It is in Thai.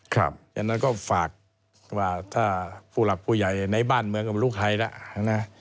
อย่างนั้นก็ฝากว่าถ้าผู้หลักผู้ใหญ่ในบ้านเมืองก็ไม่รู้ใครแล้วนะ